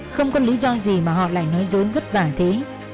không có lý do gì mà họ lại nói dối vất vả thế